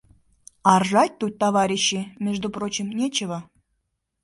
А ржать тут, товарищи, между прочим, нечего.